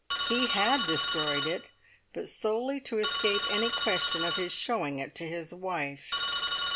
He had destroyed it, but solely to escape any question of his showing it to his wife.